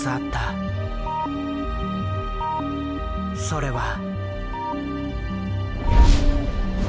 それは。